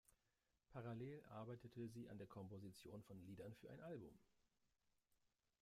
Parallel arbeitete sie an der Komposition von Liedern für ein Album.